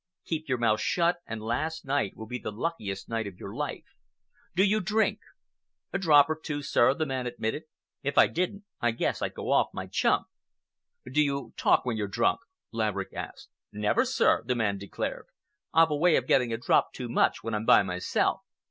Keep your mouth shut, and last night will be the luckiest night of your life. Do you drink?" "A drop or two, sir," the man admitted. "If I didn't, I guess I'd go off my chump." "Do you talk when you're drunk?" Laverick asked. "Never, sir," the man declared. "I've a way of getting a drop too much when I'm by myself.